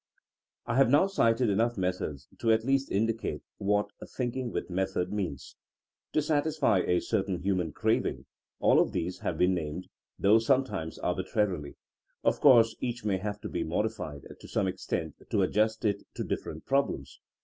I have now cited enough methods to at least indicate what thinking with method means. To satisfy a certain human craving all of these have been named, though sometimes arbitrarily. Of course each may have to be modified to some extent to adjust it to different problems.